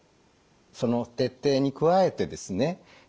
その徹底に加えてですね